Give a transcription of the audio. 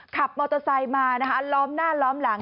ขับมอเตอร์ไซค์มานะคะล้อมหน้าล้อมหลัง